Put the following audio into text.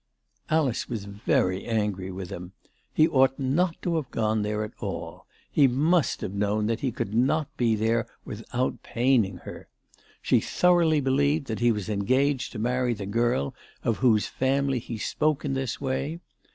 Alice was very angry with him. He ought not to have gone there at all. He must have known that he could not be there without paining her. She thoroughly believed that he was engaged to marry the girl of whose family he spoke in this way.